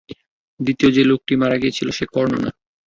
দ্বিতীয় যে লোকটা মারা গিয়েছিল সে কর্ণ না।